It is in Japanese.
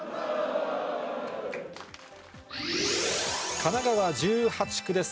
神奈川１８区です。